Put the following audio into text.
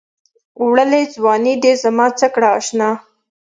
وړلې ځــواني دې زمـا څه کړه اشـنا